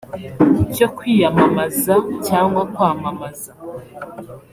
cyo kwiyamamaza cyangwa kwamamaza